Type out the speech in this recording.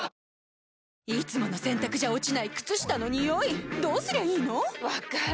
いつもの洗たくじゃ落ちない靴下のニオイどうすりゃいいの⁉分かる。